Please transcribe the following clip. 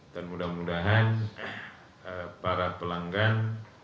dan mudah mudahan para pelanggan